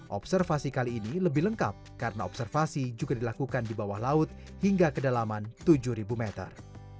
observasi kali ini lebih lengkap karena observasi juga dilakukan di bawah laut hingga kedalaman tujuh meter